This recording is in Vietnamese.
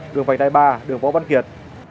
đường vành đai ba đường võ văn kiệt